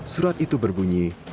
surat itu berbunyi